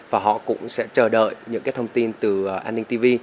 và họ cũng sẽ chờ đợi những cái thông tin từ an ninh tv